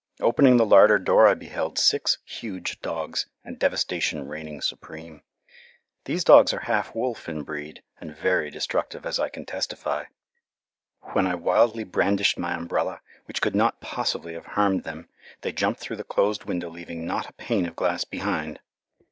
Opening the larder door I beheld six huge dogs, and devastation reigning supreme. These dogs are half wolf in breed, and very destructive, as I can testify. When I wildly brandished my umbrella, which could not possibly have harmed them, they jumped through the closed window leaving not a pane of glass behind.